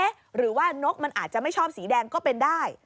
หรือว่านกมันอาจจะไม่ชอบสีแดงก็เป็นได้